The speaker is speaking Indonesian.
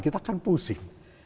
kita kan pusing